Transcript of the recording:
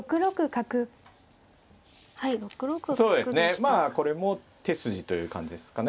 まあこれも手筋という感じですかね